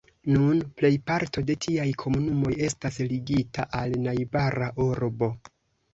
Nun plejparto de tiaj komunumoj estas ligita al najbara urbo.